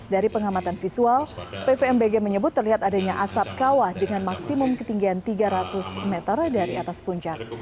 dari pengamatan visual pvmbg menyebut terlihat adanya asap kawah dengan maksimum ketinggian tiga ratus meter dari atas puncak